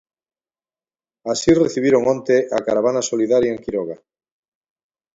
Así recibiron onte a caravana solidaria en Quiroga.